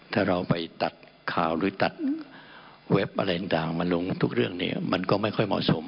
ถ้าเราไปตัดข่าวหรือตัดเว็บอะไรต่างมาลงทุกเรื่องเนี่ยมันก็ไม่ค่อยเหมาะสม